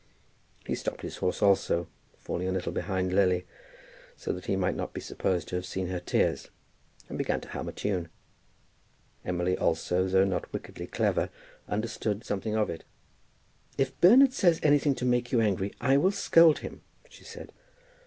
He stopped his horse also, falling a little behind Lily, so that he might not be supposed to have seen her tears, and began to hum a tune. Emily also, though not wickedly clever, understood something of it. "If Bernard says anything to make you angry, I will scold him," she said.